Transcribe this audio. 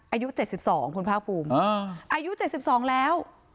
อายุเจ็ดสิบสองคุณพ่าภูมิอายุเจ็ดสิบสองแล้ว